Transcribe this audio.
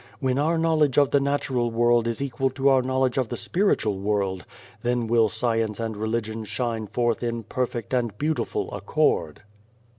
When our knowledge of the natural world is equal to our knowledge of the spiritual world, then will Science and Religion shine forth in perfect and beautiful accord."